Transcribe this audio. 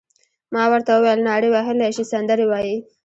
ما ورته وویل: نارې وهلای شې، سندرې وایې؟